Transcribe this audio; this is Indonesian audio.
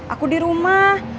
aku di rumah